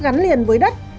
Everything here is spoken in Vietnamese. gắn liền với đất